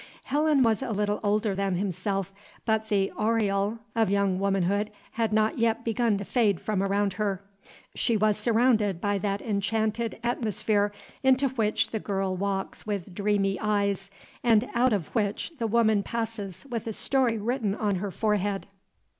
Helen was a little older than himself, but the aureole of young womanhood had not yet begun to fade from around her. She was surrounded by that enchanted atmosphere into which the girl walks with dreamy eyes, and out of which the woman passes with a story written on her forehead.